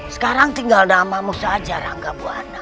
sekarang tinggal namamu saja rangga buana